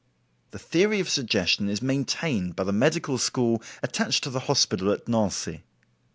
The theory of Suggestion is maintained by the medical school attached to the hospital at Nancy.